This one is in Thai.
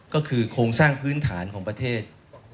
ก็คือโครงสร้างพื้นฐานของประเทศ